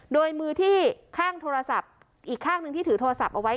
โดยมือที่ข้างโทรศัพท์อีกข้างหนึ่งที่ถือโทรศัพท์เอาไว้